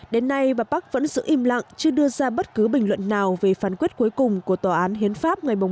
đến nay bà park vẫn giữ im lặng chưa đưa ra bất cứ bình luận nào về phán quyết cuối cùng của tòa án hiến pháp ngày một mươi tháng ba